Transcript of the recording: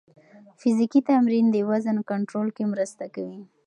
فزیکي تمرین د وزن کنټرول کې مرسته کوي.